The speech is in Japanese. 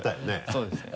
そうですね。